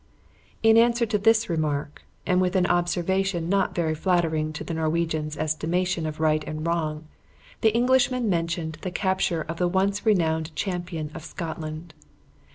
In answer to this remark, and with an observation not very flattering to the Norwegian's estimation of right and wrong, the Englishman mentioned the capture of the once renowned champion of Scotland.